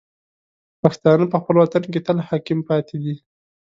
پښتانه په خپل وطن کې تل حاکم پاتې دي.